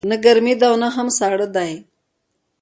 نه ګرمې ده او نه هم ساړه دی